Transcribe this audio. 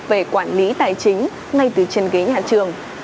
về quản lý tài chính ngay từ trên ghế nhà trường